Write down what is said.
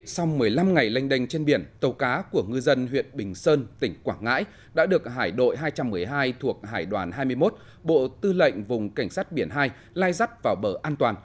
sau một mươi năm ngày lênh đênh trên biển tàu cá của ngư dân huyện bình sơn tỉnh quảng ngãi đã được hải đội hai trăm một mươi hai thuộc hải đoàn hai mươi một bộ tư lệnh vùng cảnh sát biển hai lai dắt vào bờ an toàn